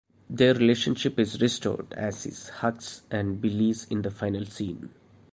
Their relationship is restored, as is Huck's and Billie's in the final scene.